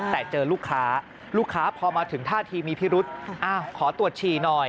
แต่เจอลูกค้าลูกค้าพอมาถึงท่าทีมีพิรุษขอตรวจฉี่หน่อย